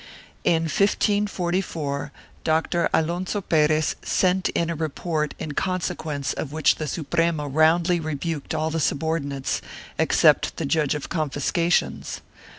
In 1544, Doctor Alonso Perez sent in a report in consequence of which the Suprema roundly rebuked all the subordinates, except the judge of confiscations.